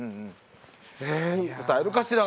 え歌えるかしら。